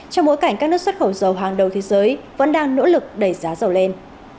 trong bối cảnh các nước xuất khẩu dầu hàng đầu thế giới vẫn đang nỗ lực đẩy giá dầu lên